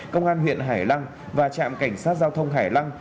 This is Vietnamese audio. công an huyện hải lăng và trạm cảnh sát giao thông hải lăng